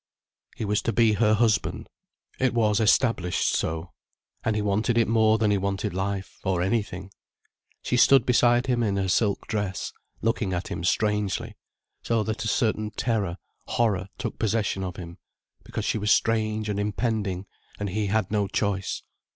He was to be her husband. It was established so. And he wanted it more than he wanted life, or anything. She stood beside him in her silk dress, looking at him strangely, so that a certain terror, horror took possession of him, because she was strange and impending and he had no choice.